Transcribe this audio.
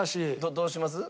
どうします？